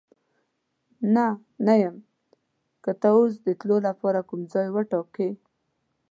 نه، نه یم، که ته اوس د تلو لپاره کوم ځای وټاکې.